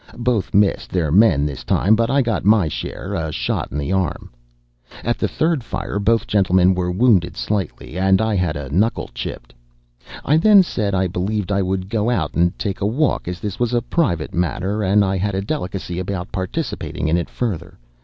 Both missed their men this time, but I got my share, a shot in the arm. At the third fire both gentlemen were wounded slightly, and I had a knuckle chipped. I then said, I believed I would go out and take a walk, as this was a private matter, and I had a delicacy about participating in it further.